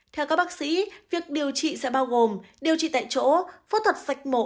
theo các bác sĩ việc điều trị sẽ bao gồm điều trị tại chỗ phốt thuật sạch mổ